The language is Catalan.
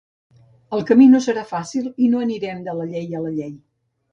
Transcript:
El camí no serà fàcil i no anirem de la llei a la llei.